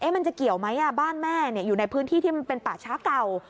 มันจะเกี่ยวไหมบ้านแม่อยู่ในพื้นที่ที่มันเป็นป่าช้าเก่า